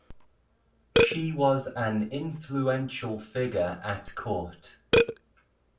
She was an influential figure at court.